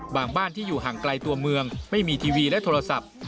บ้านที่อยู่ห่างไกลตัวเมืองไม่มีทีวีและโทรศัพท์